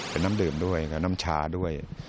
เป็นน้ำดื่มด้วยกับน้ำชาด้วย